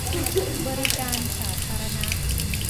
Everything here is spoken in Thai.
บริการสาธารณะ